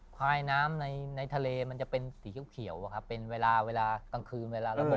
ควายน้ำในทะเลมันจะเป็นสีเขียวอะครับเป็นเวลาเวลากลางคืนเวลาระเบิด